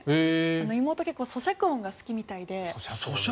妹、結構そしゃく音が好きみたいで。